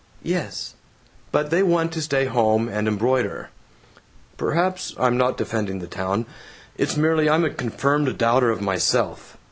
("Yes!) But they want to stay home and embroider." "Perhaps. I'm not defending the town. It's merely I'm a confirmed doubter of myself.